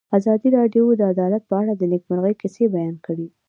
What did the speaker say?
ازادي راډیو د عدالت په اړه د نېکمرغۍ کیسې بیان کړې.